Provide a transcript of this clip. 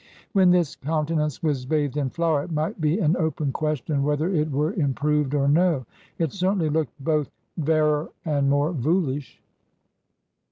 When this countenance was bathed in flour, it might be an open question whether it were improved or no. It certainly looked both "vairer" and more "voolish!"